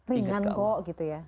ringan kok gitu ya